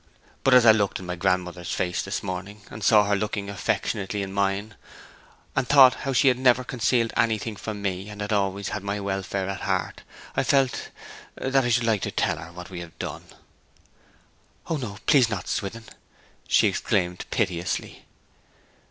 But as I looked in my grandmother's face this morning, and saw her looking affectionately in mine, and thought how she had never concealed anything from me, and had always had my welfare at heart, I felt that I should like to tell her what we have done.' 'O no, please not, Swithin!' she exclaimed piteously.